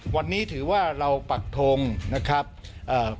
วันนี้ถือว่าเราปักทงนะครับเอ่อ